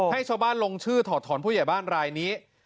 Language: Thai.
ให้ชาวบ้านลงชื่อถอดถอนผู้ใหญ่บ้านรายนี้